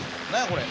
これ。